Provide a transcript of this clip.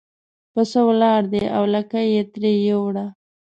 پسه ولاړ دی او لکۍ یې ترې یووړه.